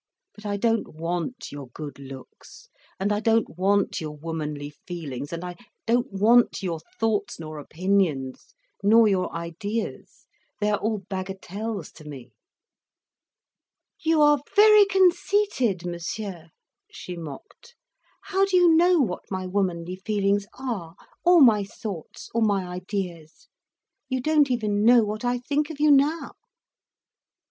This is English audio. But I don't want your good looks, and I don't want your womanly feelings, and I don't want your thoughts nor opinions nor your ideas—they are all bagatelles to me." "You are very conceited, Monsieur," she mocked. "How do you know what my womanly feelings are, or my thoughts or my ideas? You don't even know what I think of you now."